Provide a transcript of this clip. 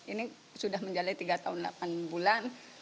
ini sudah menjalani tiga tahun delapan bulan